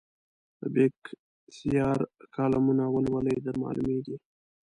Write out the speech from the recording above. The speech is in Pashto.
د بېکسیار کالمونه ولولئ درمعلومېږي.